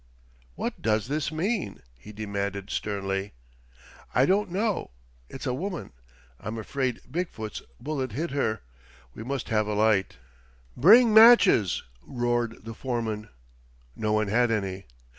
"What does this mean?" he demanded sternly. "I don't know. It's a woman. I'm afraid Big foot's bullet hit her. We must have a light." "Bring matches!" roared the foreman. No one had any.